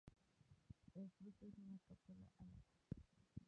El fruto es una cápsula alada.